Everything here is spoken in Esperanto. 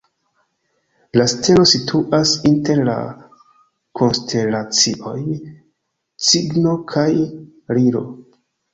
La stelo situas inter la konstelacioj Cigno kaj Liro.